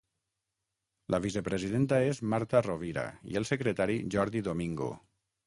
La vicepresidenta és Marta Rovira i el secretari Jordi Domingo.